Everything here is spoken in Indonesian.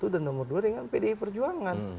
dan nomor dua dengan pdi perjuangan